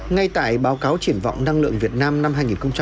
ngay tại báo cáo triển vọng năng lượng việt nam năm hai nghìn một mươi chín